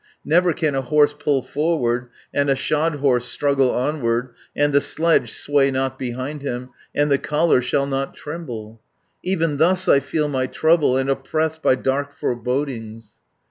Never can a horse pull forward, And a shod horse struggle onward, And the sledge sway not behind him, And the collar shall not tremble. Even thus I feel my trouble, And oppressed by dark forebodings."